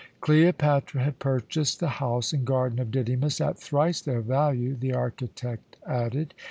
Cleopatra had purchased the house and garden of Didymus at thrice their value, the architect added.